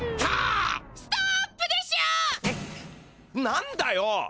何だよ！